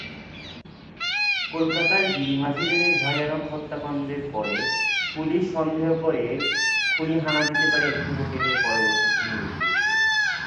কলকাতার গিরি মাঝি লেনের ভয়ানক হত্যাকাণ্ডের পরে পুলিশ সন্দেহ করে খুনি হানা দিতে পারে একটি হোটেলে পরবর্তী খুনের উদ্দেশ্যে।